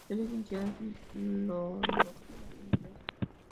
Es Licenciada en Filología Inglesa.